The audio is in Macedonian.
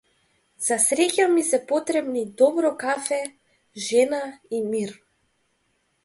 За среќа ми се потребни добро кафе, жена и мир.